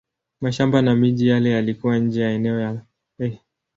Mashamba na miji yale yalikuwa nje ya eneo la Marekani yenyewe.